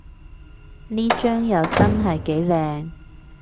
呢張又真係幾靚